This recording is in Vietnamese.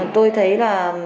tôi thấy là